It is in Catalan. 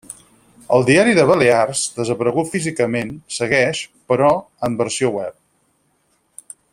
El Diari de Balears, desaparegut físicament, segueix, però, en versió web.